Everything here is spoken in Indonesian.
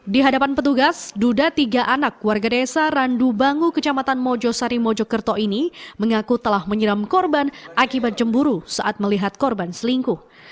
di hadapan petugas duda tiga anak warga desa randu bangu kecamatan mojosari mojokerto ini mengaku telah menyiram korban akibat cemburu saat melihat korban selingkuh